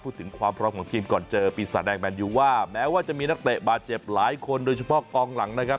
พูดถึงความพร้อมของทีมก่อนเจอปีศาจแดงแมนยูว่าแม้ว่าจะมีนักเตะบาดเจ็บหลายคนโดยเฉพาะกองหลังนะครับ